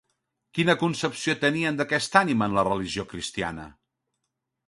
Quina concepció tenien d'aquesta ànima en la religió cristiana?